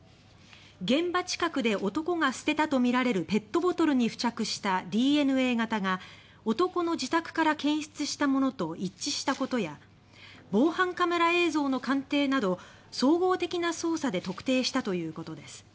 現場近くで男が捨てたとみられるペットボトルに付着したＤＮＡ型が男の自宅から検出したものと一致したことや防犯カメラ映像の鑑定など総合的な捜査で特定したということです。